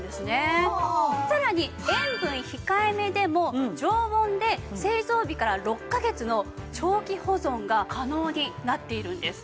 さらに塩分控えめでも常温で製造日から６カ月の長期保存が可能になっているんです。